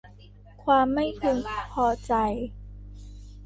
ความไม่พึงพอใจ